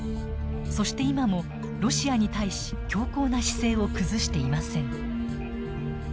そして今もロシアに対し強硬な姿勢を崩していません。